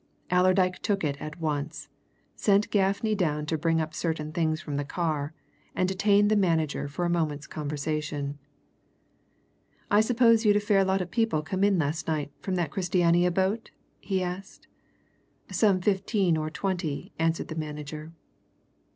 Allerdyke took it at once, sent Gaffney down to bring up certain things from the car, and detained the manager for a moment's conversation. "I suppose you'd a fair lot of people come in last night from that Christiania boat?" he asked. "Some fifteen or twenty," answered the manager.